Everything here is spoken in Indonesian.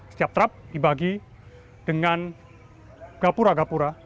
setiap trup dibagi dengan gapura gapura